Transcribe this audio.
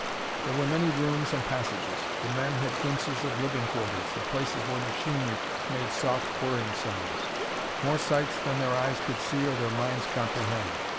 There were many rooms and passages; the men had glimpses of living quarters, of places where machinery made soft whirring sounds; more sights than their eyes could see or their minds comprehend.